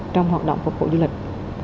trong hoạt động phục vụ du lịch